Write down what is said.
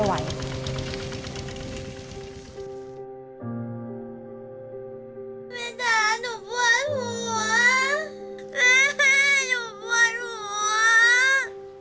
แม่หนูปวดหัว